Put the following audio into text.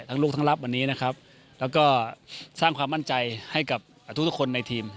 ลูกทั้งรับวันนี้นะครับแล้วก็สร้างความมั่นใจให้กับทุกคนในทีม